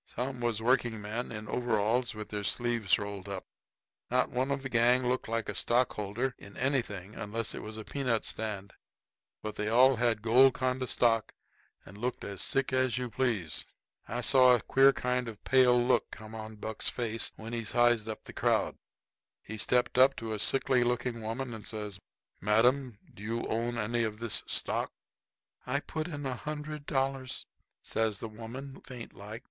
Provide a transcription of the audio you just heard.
Some was working men in overalls, with their sleeves rolled up. Not one of the gang looked like a stockholder in anything unless it was a peanut stand. But they all had Golconda stock and looked as sick as you please. [Illustration: But they all had Golconda stock and looked as sick as you please.] I saw a queer kind of a pale look come on Buck's face when he sized up the crowd. He stepped up to a sickly looking woman and says: "Madam, do you own any of this stock?" "I put in a hundred dollars," says the woman, faint like.